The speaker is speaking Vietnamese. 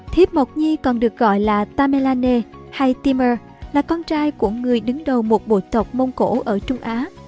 thiếp mộc nhi còn được gọi là tamellane hay timur là con trai của người đứng đầu một bộ tộc mông cổ ở trung á